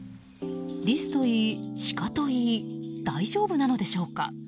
リスといい、シカといい大丈夫なのでしょうか。